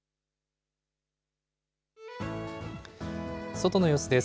外の様子です。